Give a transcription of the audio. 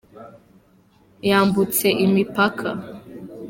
yambutse imipaka.